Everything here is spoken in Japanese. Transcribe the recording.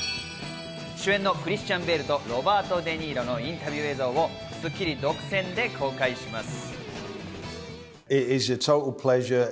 主演のクリスチャン・ベールとロバート・デ・ニーロのインタビュー映像を『スッキリ』独占で公開します。